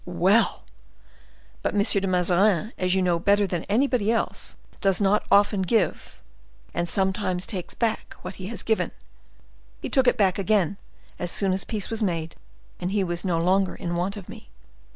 "Well!" "But M. de Mazarin, as you know better than anybody, does not often give, and sometimes takes back what he has given; he took it back again as soon as peace was made and he was no longer in want of me.